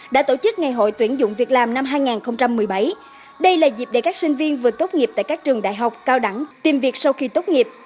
đã tổ chức ngày hội tuyển dụng việc làm năm hai nghìn một mươi bảy đây là dịp để các sinh viên vừa tốt nghiệp tại các trường đại học cao đẳng tìm việc sau khi tốt nghiệp